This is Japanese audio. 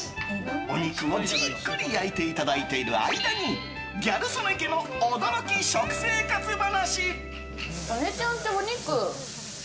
お肉をじっくり焼いていただいている間にギャル曽根家の驚き食生活話。